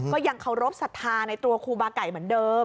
ก็ยังเคารพสัทธาในตัวครูบาไก่เหมือนเดิม